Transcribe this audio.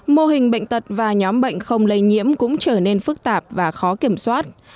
mô hình bệnh tật và nhóm bệnh không lây nhiễm cũng trở nên phức tạp và khó kiểm soát